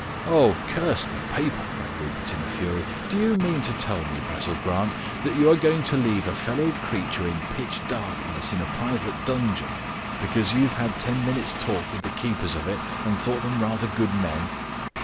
"Oh, curse the paper!" cried Rupert, in a fury. "Do you mean to tell me, Basil Grant, that you are going to leave a fellow creature in pitch darkness in a private dungeon, because you've had ten minutes' talk with the keepers of it and thought them rather good men?"